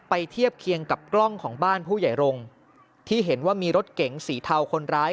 เทียบเคียงกับกล้องของบ้านผู้ใหญ่รงค์ที่เห็นว่ามีรถเก๋งสีเทาคนร้าย